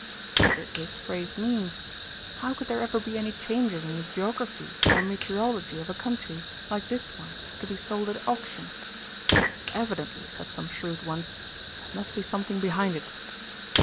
What did this phrase mean? How could there ever be any changes in the geography or meteorology of a country like this one to be sold at auction? "Evidently," said some shrewd ones, "there must be something behind it."